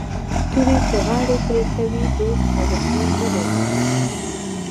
توري چي غاړي پرې کوي دوست او دښمن نه لري